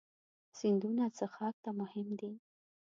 سیندونه څښاک ته مهم دي.